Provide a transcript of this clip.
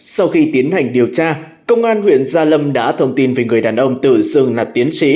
sau khi tiến hành điều tra công an huyện gia lâm đã thông tin về người đàn ông tự xưng là tiến trí